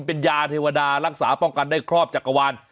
เป็นยาเทวดารักษาป้องกันได้ครอบจักรวาล